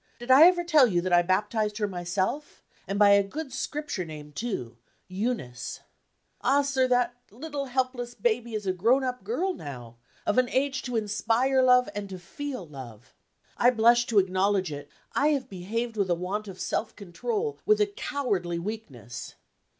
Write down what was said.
Did I ever tell you that I baptized her myself? and by a good Scripture name too Eunice. Ah, sir, that little helpless baby is a grown up girl now; of an age to inspire love, and to feel love. I blush to acknowledge it; I have behaved with a want of self control, with a cowardly weakness.